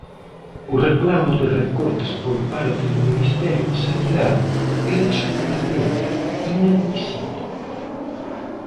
O reclamo de recortes por parte do Ministerio de Sanidade é absolutamente inadmisible.